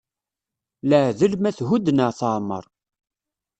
Iaɛdel ma thudd neɣ teɛmeṛ.